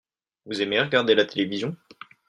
Vous aimez regarder la télévision ?